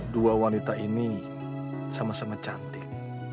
dua wanita ini sama sama cantik